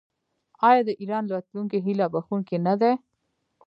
آیا د ایران راتلونکی هیله بښونکی نه دی؟